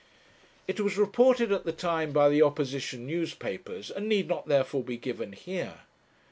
It was reported at the time by the opposition newspapers, and need not therefore be given here.